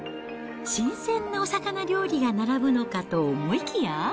新鮮なお魚料理が並ぶのかと思いきや。